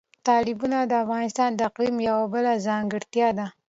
تالابونه د افغانستان د اقلیم یوه بله ځانګړتیا ده.